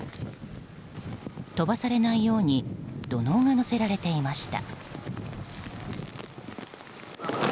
飛ばされないように土のうが載せられていました。